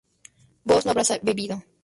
vos no habrás bebido